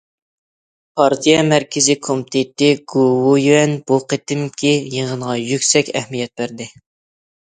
پارتىيە مەركىزىي كومىتېتى، گوۋۇيۈەن بۇ قېتىمقى يىغىنغا يۈكسەك ئەھمىيەت بەردى.